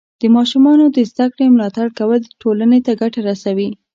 د ماشومانو د زده کړې ملاتړ کول ټولنې ته ګټه رسوي.